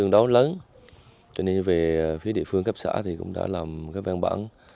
đó lớn cho nên về phía địa phương cấp xã thì cũng đã làm các văn bản